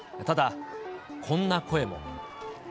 ただ、こんな声も。